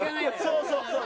そうそうそう。